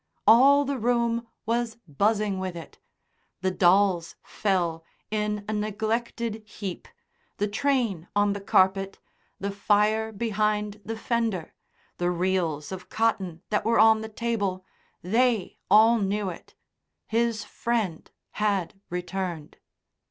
All the room was buzzing with it. The dolls fell in a neglected heap, the train on the carpet, the fire behind the fender, the reels of cotton that were on the table they all knew it. His friend had returned.